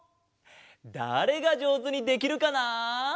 だれがじょうずにできるかな？